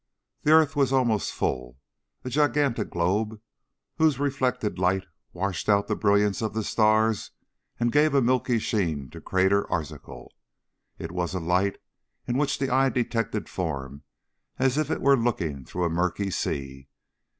The earth was almost full, a gigantic globe whose reflected light washed out the brilliance of the stars and gave a milky sheen to Crater Arzachel. It was a light in which the eye detected form as if it were looking through a murky sea.